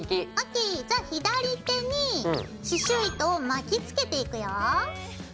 じゃあ左手に刺しゅう糸を巻きつけていくよ。